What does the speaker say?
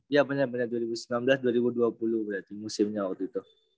ya benar benar dua ribu sembilan belas dua ribu dua puluh berarti musimnya waktu itu